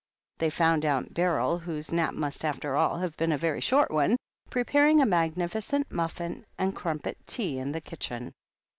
They found Aimt Beryl, whose nap must after all have been a very short one, preparing a magnificent muffin and crumpet tea in the kitchen.